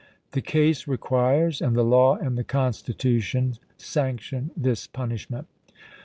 The case requires, and the law and the Constitution sanction, this punishment.